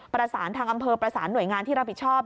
ประสานทางอำเภอประสานหน่วยงานที่รับผิดชอบ